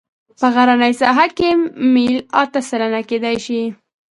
په غرنۍ ساحه کې میل اته سلنه کیدی شي